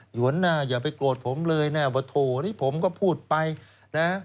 วนหน้าอย่าไปโกรธผมเลยนะว่าโถนี่ผมก็พูดไปนะ